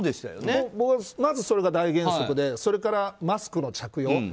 まず、それが大原則で、マスクの着用。